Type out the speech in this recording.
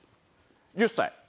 １０歳。